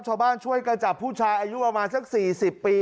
ชาวบ้านช่วยกันจับผู้ชายอายุประมาณสัก๔๐ปี